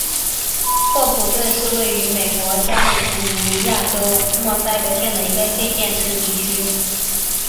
霍普顿是位于美国加利福尼亚州默塞德县的一个非建制地区。